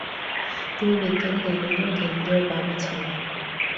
তিনি বিজ্ঞানি গ্যালিলিও গ্যালিলির বাবা ছিলেন।